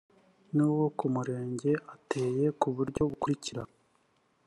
n uwo ku murenge ateye ku buryo bukurikira